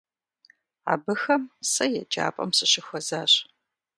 Абыхэм сэ еджапӏэм сащыхуэзащ.